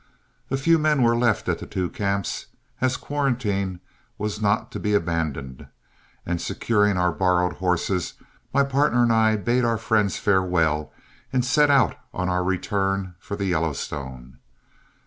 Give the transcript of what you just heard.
A few men were left at the two camps, as quarantine was not to be abandoned, and securing our borrowed horses, my partner and I bade our friends farewell and set out on our return for the Yellowstone.